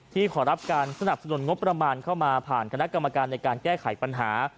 ขอรับการสนับสนุนงบประมาณเข้ามาผ่านคณะกรรมการในการแก้ไขปัญหา